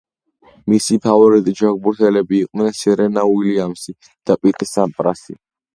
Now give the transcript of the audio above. მისი ფავორიტი ჩოგბურთელები იყვნენ სერენა უილიამსი და პიტ სამპრასი.